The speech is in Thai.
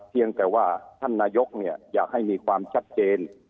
เพียงแต่ว่าท่านนายกอยากให้มีความชัดเจน